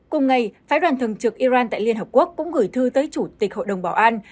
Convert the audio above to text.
cùng ngày phái đoàn thường trực iran tại liên hợp quốc cũng gửi thư tới chủ tịch hội đồng bảo an